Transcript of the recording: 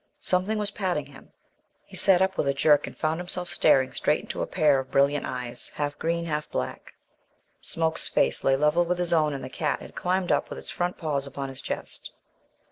Something was patting him. He sat up with a jerk, and found himself staring straight into a pair of brilliant eyes, half green, half black. Smoke's face lay level with his own; and the cat had climbed up with its front paws upon his chest.